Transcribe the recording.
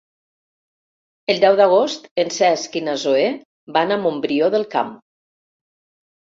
El deu d'agost en Cesc i na Zoè van a Montbrió del Camp.